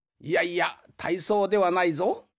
いやいやたいそうではないぞ。